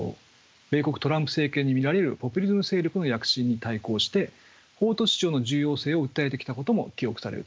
米国トランプ政権に見られるポピュリズム勢力の躍進に対抗して法と秩序の重要性を訴えてきたことも記憶されるところです。